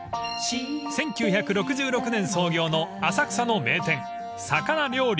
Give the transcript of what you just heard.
［１９６６年創業の浅草の名店］